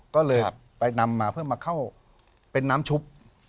ก็เลยไปนำมาเพื่อมาเข้าเป็นน้ำชุบ